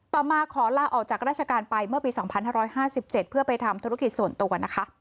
มาขอลาออกจากราชการไปเมื่อปี๒๕๕๗เพื่อไปทำธุรกิจส่วนตัวนะคะ